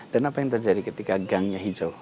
dan apa yang terjadi ketika gangnya hijau